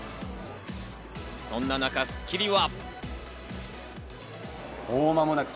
そんな中『スッキリ』は。